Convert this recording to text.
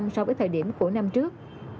so với thời điểm của năm trước